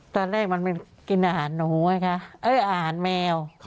ตอนแรกมันกินอาหารหนูไงคะอาหารแมว